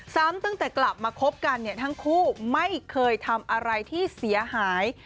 ตั้งแต่กลับมาคบกันเนี่ยทั้งคู่ไม่เคยทำอะไรที่เสียหาย